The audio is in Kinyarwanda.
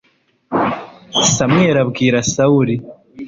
samweli abwira sawuli